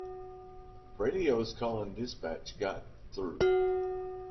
Radios calling dispatch got through.